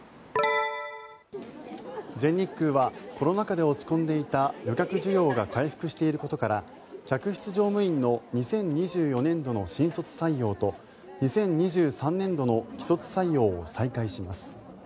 全日空はコロナ禍で落ち込んでいた旅客需要が回復していることから客室乗務員の２０２４年度の新卒採用と２０２３年度の既卒採用を再開します。